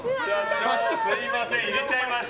すみません、入れちゃいました。